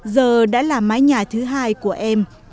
giờ đã là mái nhà thứ hai của em